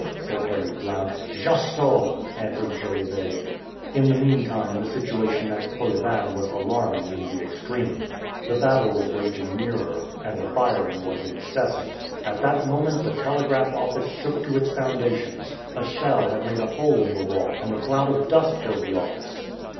said Harry Blount. "Just so," answered Jolivet. In the meantime the situation at Kolyvan was alarming in the extreme. The battle was raging nearer, and the firing was incessant. At that moment the telegraph office shook to its foundations. A shell had made a hole in the wall, and a cloud of dust filled the office.